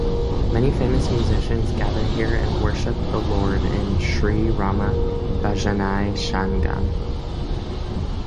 Many famous musicians gather here and worship the Lord in "Shri Rama Bajanai Sangam".